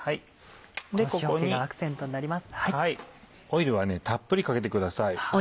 オイルはたっぷりかけてください。